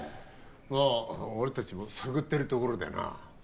まあ俺達も探ってるところでな